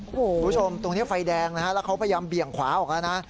คุณผู้ชมตรงนี้ไฟแดงนะฮะแล้วเขาพยายามเบี่ยงขวาออกแล้วนะ